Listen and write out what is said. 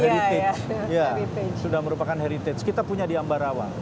heritage ya sudah merupakan heritage kita punya di ambarawa